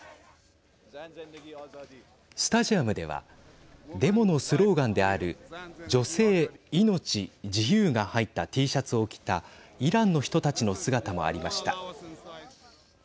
スタジアムではデモのスローガンである女性、命、自由が入ったＴシャツを着たイランの人たちの姿もありました。